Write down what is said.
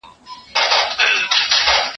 موږ به کله برابر سو له سیالانو